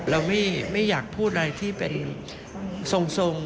เราไม่อยากพูดอะไรที่เป็นทรง